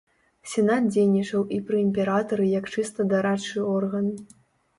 Сенат дзейнічаў і пры імператары як чыста дарадчы орган.